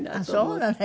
そうなの？